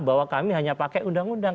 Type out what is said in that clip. bahwa kami hanya pakai undang undang